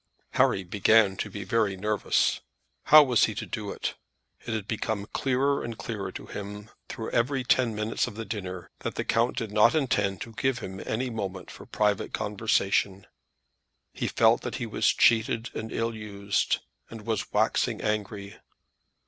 Harry began to be very nervous. How was he to do it? It had become clearer and clearer to him through every ten minutes of the dinner, that the count did not intend to give him any moment for private conversation. He felt that he was cheated and ill used, and was waxing angry.